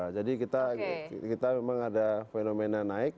jadi kita memang ada fenomena naik